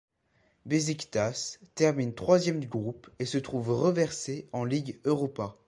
Beşiktaş termine troisième du groupe et se trouve reversé en Ligue Europa.